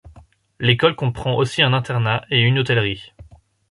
L'école comprend aussi un internat et une hôtellerie.